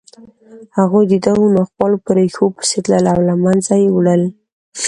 هغوی د دغو ناخوالو په ریښو پسې تلل او له منځه یې وړل